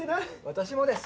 私もです！